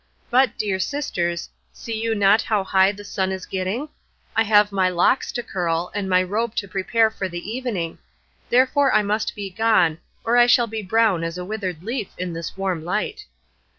But, dear sisters, see you not how high the sun is getting? I have my locks to curl, and my robe to prepare for the evening; therefore I must be gone, or I shall be brown as a withered leaf in this warm light."